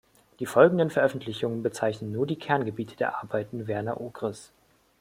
Die folgenden Veröffentlichungen bezeichnen nur die Kerngebiete der Arbeiten Werner Ogris’.